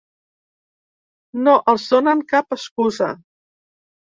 No els donem cap excusa.